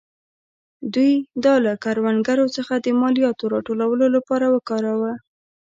دوی دا له کروندګرو څخه د مالیاتو راټولولو لپاره وکاراوه.